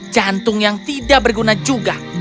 jantung yang tidak berguna juga